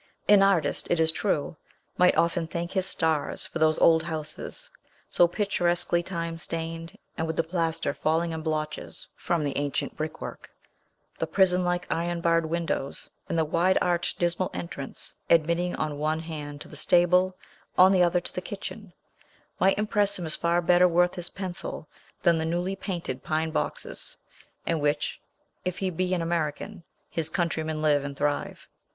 An artist, it is true, might often thank his stars for those old houses, so picturesquely time stained, and with the plaster falling in blotches from the ancient brick work. The prison like, iron barred windows, and the wide arched, dismal entrance, admitting on one hand to the stable, on the other to the kitchen, might impress him as far better worth his pencil than the newly painted pine boxes, in which if he be an American his countrymen live and thrive.